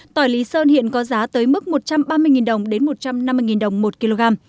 tỏi lý sơn hiện có giá tới mức một trăm ba mươi đồng đến một trăm năm mươi đồng một kg